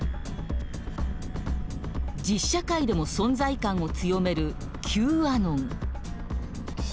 実社会でも存在感を強めるＱアノン。